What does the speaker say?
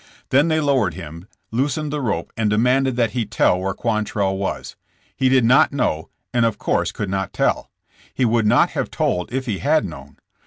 Then they lowered him, loosened the rope, and demanded that he tell where Quantrell was. He did not know, and of course could not tell. He would not have told if he had known.